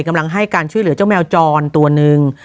กำลังให้การช่วยเหลือเจ้าแมวจรตัวหนึ่ง